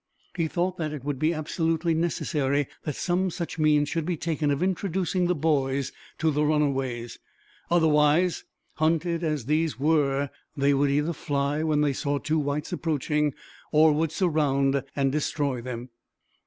He thought that it would be absolutely necessary that some such means should be taken of introducing the boys to the runaways; otherwise, hunted as these were, they would either fly when they saw two whites approaching, or would surround and destroy them.